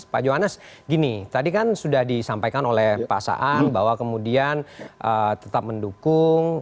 pak johannes gini tadi kan sudah disampaikan oleh pak saan bahwa kemudian tetap mendukung